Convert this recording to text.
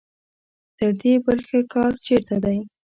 تر دې بل ښه کار چېرته دی.